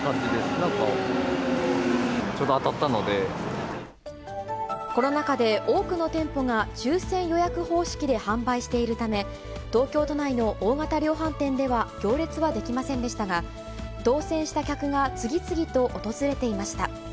なんか、コロナ禍で多くの店舗が抽せん予約方式で販売しているため、東京都内の大型量販店では行列は出来ませんでしたが、当せんした客が次々と訪れていました。